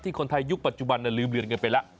คนไทยยุคปัจจุบันลืมเรียนกันไปแล้ว